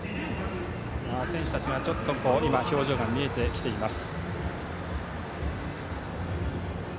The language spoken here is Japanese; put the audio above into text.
選手たちの表情が見えてきています。